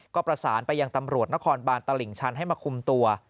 ก็ประสานไปยังตำรวจนครบานตลิ่งชันให้มาคุมตัว